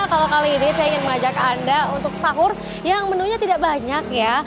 kalau kali ini saya ingin mengajak anda untuk sahur yang menunya tidak banyak ya